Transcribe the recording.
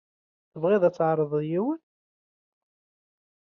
Tebɣiḍ ad tɛerḍeḍ yiwen?